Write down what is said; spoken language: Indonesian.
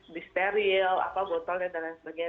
disteril apa botolnya dan lain sebagainya